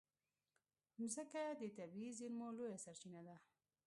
مځکه د طبعي زېرمو لویه سرچینه ده.